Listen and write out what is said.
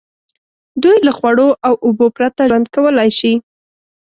دوی له خوړو او اوبو پرته ژوند کولای شي.